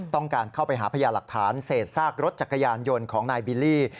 ต้องการเข้าไปหาพญาหลักฐานเศษซากรถจักรยานยนต์ของนายบิลลี่